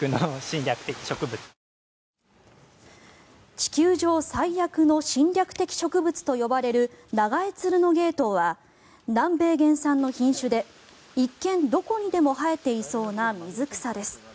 地球上最悪の侵略的植物と呼ばれるナガエツルノゲイトウは南米原産の品種で一見、どこにでも生えていそうな水草です。